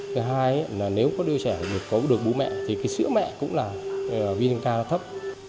thứ hai là nếu có đứa trẻ được bú mẹ thì cái sữa mẹ cũng là vitamin k thấp